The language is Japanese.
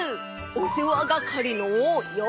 おせわがかりのようせい！